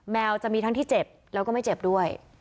แมวจะมีทั้งที่เจ็บแล้วก็ไม่เจ็บด้วย